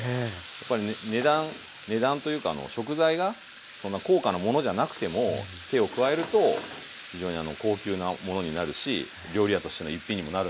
やっぱり値段というか食材がそんな高価なものじゃなくても手を加えると非常にあの高級なものになるし料理屋としての一品にもなるんだなと。